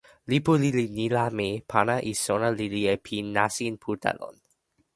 lipu lili ni la mi pana e sona lili a pi nasin Puta lon.